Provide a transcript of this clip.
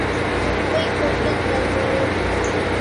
துடுப்பைக் கொண்டு தள்ளுவர்.